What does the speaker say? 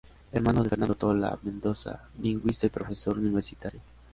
Hermano de Fernando Tola Mendoza, lingüista y profesor universitario.